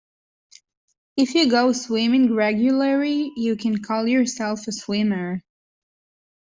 If you go swimming regularly, you can call yourself a swimmer.